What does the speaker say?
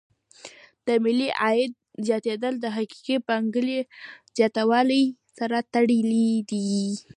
د ملي عاید زیاتېدل د حقیقي پانګې زیاتیدلو سره تړلې دي.